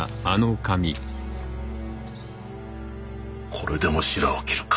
これでもしらを切るか。